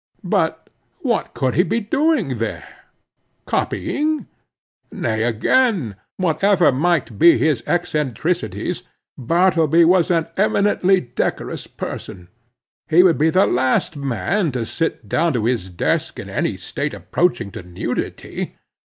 But what could he be doing there?—copying? Nay again, whatever might be his eccentricities, Bartleby was an eminently decorous person. He would be the last man to sit down to his desk in any state approaching to nudity.